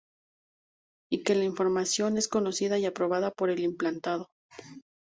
Y que la información es conocida y aprobada por el implantado.